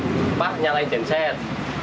di kemah nyalain janset